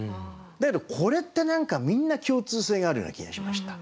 だけどこれって何かみんな共通性があるような気がしました。